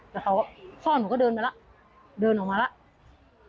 แต่เขาพ่อหนูก็เดินไปแล้วเดินออกมาแล้ว